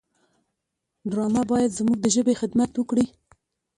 ډرامه باید زموږ د ژبې خدمت وکړي